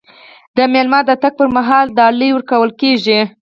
د میلمه د تګ پر مهال ډالۍ ورکول کیږي.